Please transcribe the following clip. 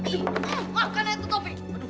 nggak akan naik tuh topi